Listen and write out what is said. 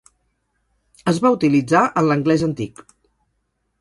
Es va utilitzar en l'anglès antic.